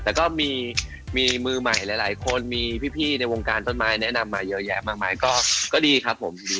แต่ก็มีมือใหม่หลายคนมีพี่ในวงการต้นไม้แนะนำมาเยอะแยะมากมายก็ดีครับผมยินดี